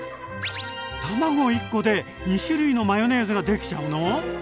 卵１コで２種類のマヨネーズができちゃうの？